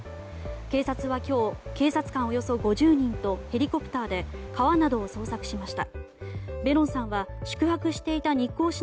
警察は今日警察官およそ５０人とヘリコプターで川などを捜索しました。